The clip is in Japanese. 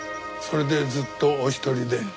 それでずっとお一人で。